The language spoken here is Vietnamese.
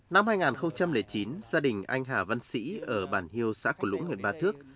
năm hai nghìn chín gia đình anh hà văn sĩ ở bản hiêu xã cổ lũng người ba thước